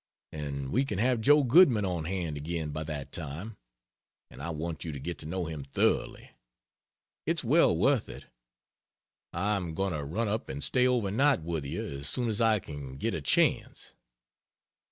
And we can have Joe Goodman on hand again by that time, and I want you to get to know him thoroughly. It's well worth it. I am going to run up and stay over night with you as soon as I can get a chance.